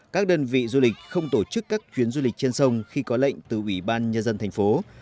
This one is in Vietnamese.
các đơn vị du lịch không tổ chức các chuyến du lịch trên sông khi có lệnh từ ủy ban nhân dân thành phố